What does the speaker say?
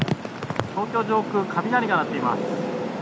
東京上空、雷が鳴っています。